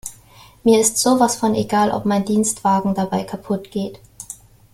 Mir ist sowas von egal, ob mein Dienstwagen dabei kaputt geht!